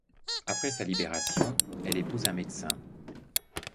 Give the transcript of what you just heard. Après sa libération, elle épouse un médecin.